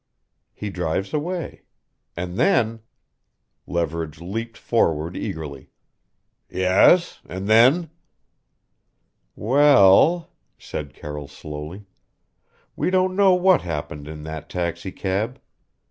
He drives away. And then " Leverage leaped forward eagerly: "Yes ?? and then?" "Well," said Carroll slowly, "we don't know what happened in that taxicab.